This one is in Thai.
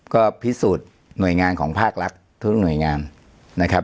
ก็พิสูจน์หน่วยงานของภาครัฐทุกหน่วยงานนะครับ